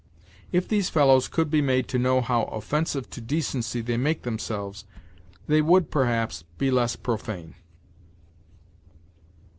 If these fellows could be made to know how offensive to decency they make themselves, they would, perhaps, be less profane.